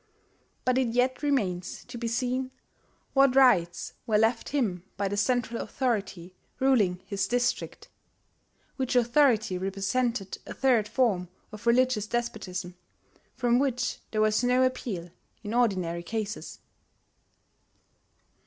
But it yet remains to be seen what rights were left him by the central authority ruling his district, which authority represented a third form of religious despotism from which there was no appeal in ordinary cases.